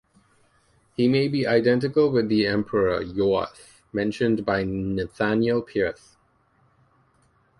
He may be identical with the Emperor "Yoas" mentioned by Nathaniel Pearce.